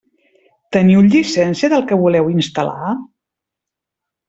Teniu llicència del que voleu instal·lar?